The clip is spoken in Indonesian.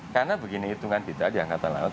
karena begini hitungan kita di angkatan laut